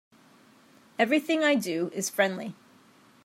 Everything I do is friendly.